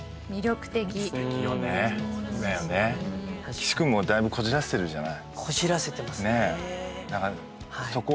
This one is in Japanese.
岸くんもだいぶこじらせてるんじゃない？